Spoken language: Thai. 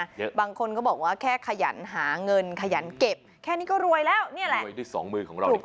เยอะบางคนก็บอกว่าแค่ขยันหาเงินขยันเก็บแค่นี้ก็รวยแล้วนี่แหละรวยได้สองมือของเราดีกว่า